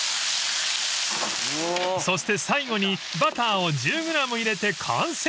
［そして最後にバターを１０ｇ入れて完成］